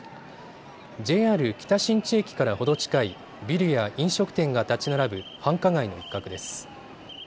ＪＲ北新地駅から程近いビルや飲食店が建ち並ぶ繁華街の一角です。